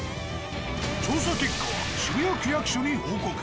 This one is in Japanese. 調査結果は渋谷区役所に報告。